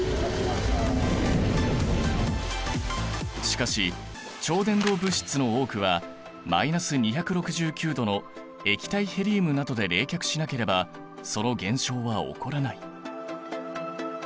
しかし超伝導物質の多くはマイナス２６９℃の液体ヘリウムなどで冷却しなければその現象は起こらない。